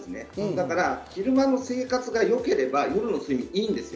だから昼間の生活がよければ、夜の睡眠がいいんです。